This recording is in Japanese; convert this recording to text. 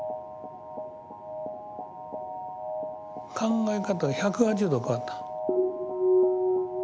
考え方が１８０度変わった。